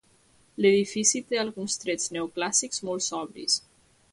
L'edifici té alguns trets neoclàssics molt sobris.